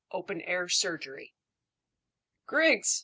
OPEN AIR SURGERY. "Griggs!"